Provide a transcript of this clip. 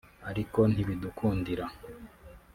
ariko ntibidukundira